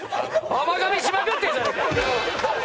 甘噛みしまくってんじゃねえか！